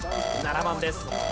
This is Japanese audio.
７番です。